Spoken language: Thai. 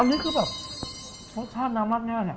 อันนี้คือแบบรสชาติน้ำราดง่ายเนี่ย